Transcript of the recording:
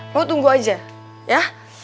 lu tunggu aja ya